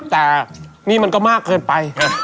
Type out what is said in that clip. แต่นี่มันก็มากเกินไป